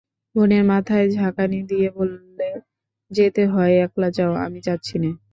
বোনেরা মাথা ঝাঁকানি দিয়ে বললে, যেতে হয় একলা যাও, আমরা যাচ্ছি নে।